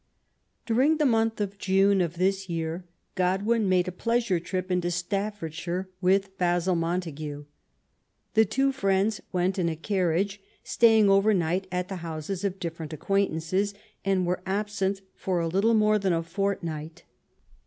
During the month of* June of this year, Godwin made a pleasure trip into Staffordshire with Basil Montague. The two friends went in a carriage, staying over night at the houses of different acquaintances, and were absent for a little more than a fortnight.